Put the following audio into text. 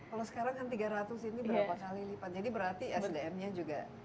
kalau sekarang kan tiga ratus ini berapa kali lipat jadi berarti sdm nya juga